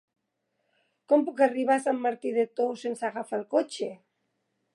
Com puc arribar a Sant Martí de Tous sense agafar el cotxe?